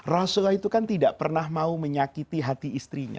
rasulullah itu kan tidak pernah mau menyakiti hati istrinya